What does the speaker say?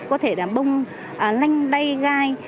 có thể là bông lanh đay gai